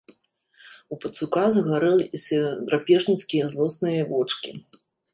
У пацука загарэліся драпежніцкія злосныя вочкі.